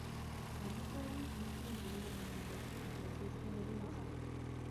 Rovnoprávnost získali Židé v Lucembursku po Francouzské revoluci.